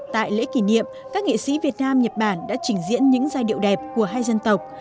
tại lễ kỷ niệm các nghệ sĩ việt nam nhật bản đã trình diễn những giai điệu đẹp của hai dân tộc